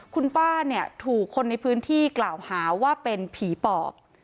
คุณป้าเนี่ยถูกคนในพื้นที่กล่าวหาว่าเป็นผีปอบ